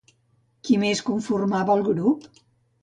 Qui més conformava el grup?